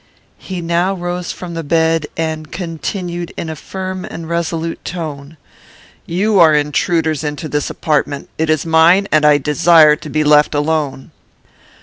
He now rose from the bed, and continued, in a firm and resolute tone, "You are intruders into this apartment. It is mine, and I desire to be left alone."